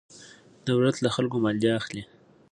دولت له خلکو مالیه اخلي.